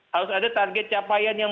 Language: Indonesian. harus ada target capaian yang